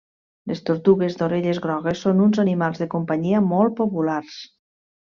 Les tortugues d'orelles grogues són uns animals de companyia molt populars.